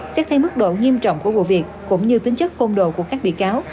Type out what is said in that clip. xét thay mức độ nghiêm trọng của cuộc việc cũng như tính chất khôn đồ của các bị cáo